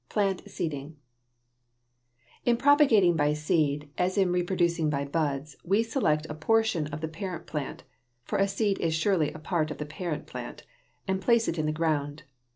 PLANT SEEDING In propagating by seed, as in reproducing by buds, we select a portion of the parent plant for a seed is surely a part of the parent plant and place it in the ground.